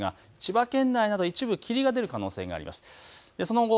千葉県内など一部、霧が出る可能性があります。